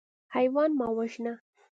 حیوان مه وژنه.